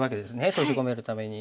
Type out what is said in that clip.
閉じ込めるために。